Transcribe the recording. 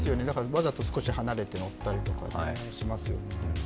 わざと少し離れて乗ったりとかしますよね。